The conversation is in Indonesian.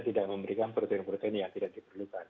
tidak memberikan protein protein yang tidak diperlukan